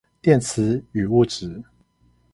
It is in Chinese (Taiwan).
電磁與物質